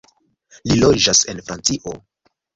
Li loĝas en Francio.